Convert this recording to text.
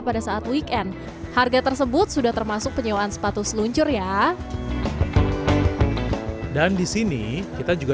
pada saat weekend harga tersebut sudah termasuk penyewaan sepatu seluncur ya dan disini kita juga